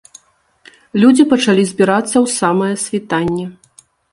Людзі пачалі збірацца ў самае світанне.